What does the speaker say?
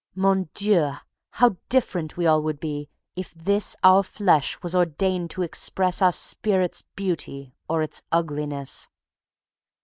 Mon Dieu! how different we all would be If this our flesh was ordained to express Our spirit's beauty or its ugliness.